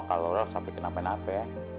kalau rok sampai kenapa napa